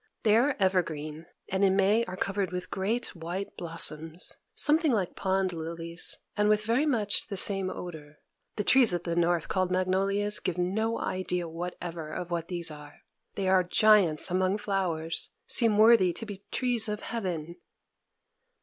They are evergreen, and in May are covered with great white blossoms, something like pond lilies, and with very much the same odor. The trees at the North called magnolias give no idea whatever of what these are. They are giants among flowers; seem worthy to be trees of heaven.